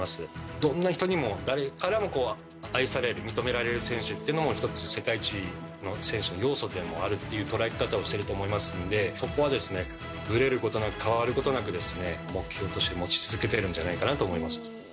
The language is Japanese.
どんな人にも、誰からも愛される、認められる選手っていうのも一つ、世界一の選手の要素でもあるという捉え方をしていると思いますので、そこは、ぶれることなく、変わることなく、目標として持ち続けているんじゃないかなと思います。